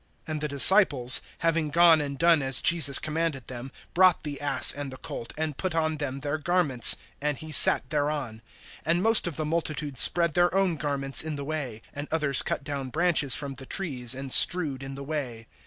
(6)And the disciples, having gone and done as Jesus commanded them, (7)brought the ass and the colt, and put on them their garments, and he sat thereon. (8)And most of the multitude spread their own garments in the way; and others cut down branches from the trees, and strewed in the way.